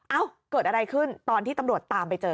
เอ้าเกิดอะไรขึ้นตอนที่ตำรวจตามไปเจอ